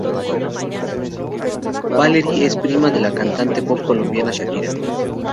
Valerie es prima de la cantante pop colombiana Shakira.